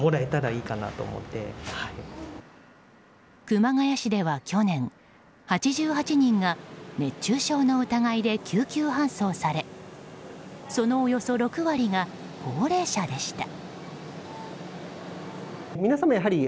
熊谷市では去年８８人が熱中症の疑いで救急搬送されそのおよそ６割が高齢者でした。